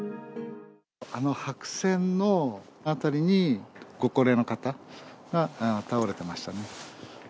あの白線の辺りに、ご高齢の方が倒れてましたね。